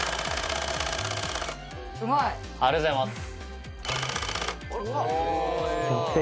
うまいありがとうございます